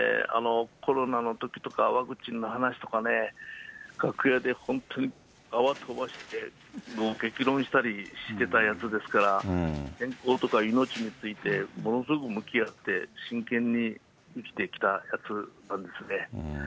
コロナのときとか、ワクチンの話とかね、楽屋で本当に、泡飛ばして激論してたやつですから、健康とか命についてものすごく向き合って、真剣に生きてきたやつなんですね。